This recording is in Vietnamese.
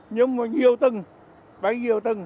nhưng mà nhiều tầng bấy nhiều tầng